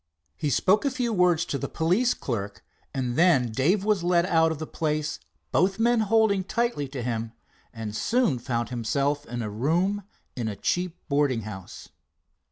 He spoke a few words to the police clerk, and then Dave was led out of the place, both men holding tightly to him, and soon found himself in a room in a cheap boarding house.